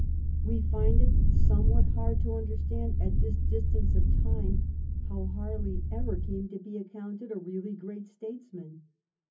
We find it somewhat hard to understand at this dis tance of time how Harley ever came to be accounted a really great statesman.